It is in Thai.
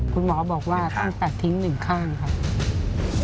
คุณหมอบอกว่าตั้งแต่ทิ้งหนึ่งข้างครับอย่างนี้๑ข้าง